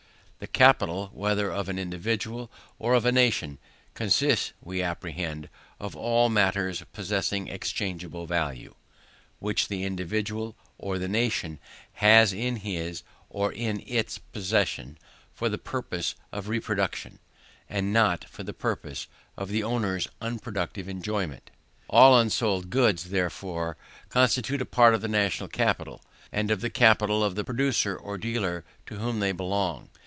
The capital, whether of an individual or of a nation, consists, we apprehend, of all matters possessing exchangeable value, which the individual or the nation has in his or in its possession for the purpose of reproduction, and not for the purpose of the owner's unproductive enjoyment. All unsold goods, therefore, constitute a part of the national capital, and of the capital of the producer or dealer to whom they belong.